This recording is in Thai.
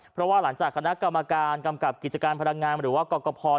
เพราะว่าหลังจากคณะกรรมการกำกับกิจการพลังงานหรือว่ากรกภ